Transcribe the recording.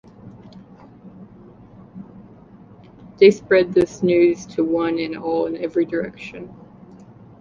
They spread this news to one and all in every direction.